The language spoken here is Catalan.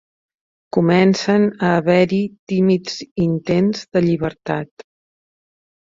Comencen a haver-hi tímids intents de llibertat.